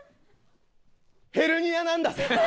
ヘルニアなんだぜこれで。